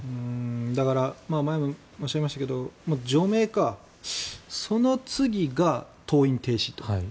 だから前も申し上げましたけど除名か、その次が登院停止と。